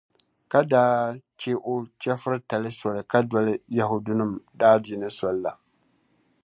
ka daa chɛ o chɛfiritali soli ka doli Yɛhudianim’ daadiini soli la.